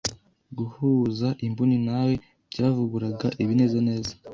guhuza imboni nawe byavuburaga ibineza neza